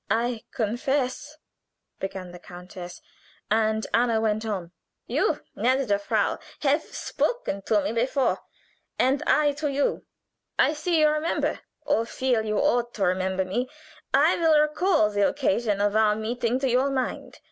"I confess " began the countess, and Anna went on: "You, gnädige Frau, have spoken to me before, and I to you. I see you remember, or feel you ought to remember me. I will recall the occasion of our meeting to your mind.